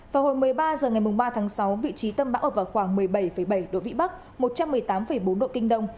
vào hồi một mươi ba h ngày ba tháng sáu vị trí tâm bão ở vào khoảng một mươi bảy bảy độ vĩ bắc một trăm một mươi tám bốn độ kinh đông